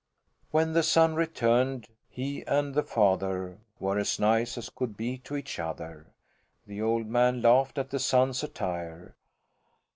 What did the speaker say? When the son returned he and the father were as nice as could be to each other. The old man laughed at the son's attire.